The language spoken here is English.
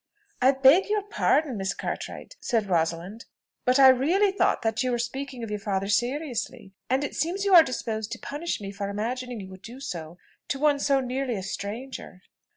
"I beg your pardon, Miss Cartwright," said Rosalind, "but I really thought that you were speaking of your father seriously; and it seems you are disposed to punish me for imagining you would do so, to one so nearly a stranger."